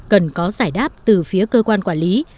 cần có giải đáp từ phía cơ quan quản lý